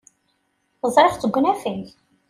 Ẓriɣ-tt deg unafag.